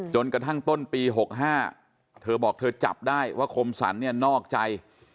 จนกระทั่งต้นปี๖๕เธอบอกเธอจับได้ว่าคมสรรเนี่ยนอกใจ